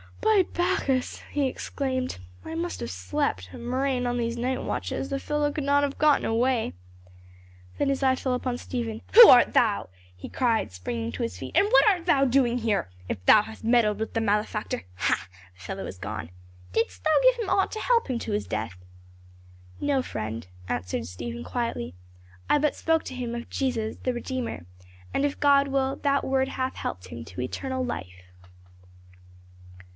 "By Bacchus!" he exclaimed. "I must have slept, a murrain on these night watches, the fellow could not have gotten away." Then his eye fell upon Stephen. "Who art thou?" he cried, springing to his feet; "and what art thou doing here? If now thou hast meddled with the malefactor ha! the fellow is gone. Didst thou give him aught to help him to his death?" "No, friend," answered Stephen quietly. "I but spoke to him of Jesus, the Redeemer; and if God will, that word hath helped him to eternal life."